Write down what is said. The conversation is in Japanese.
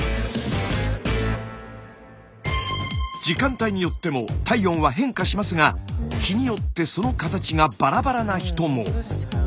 時間帯によっても体温は変化しますが日によってその形がバラバラな人も。